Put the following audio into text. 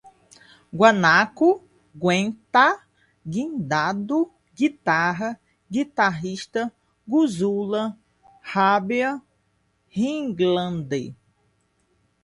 guanaco, guentar, guindado, guitarra, guitarrista, guzula, habea, highlander